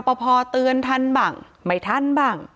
รบพเตือนทั่นบังไม่ทั่นบัง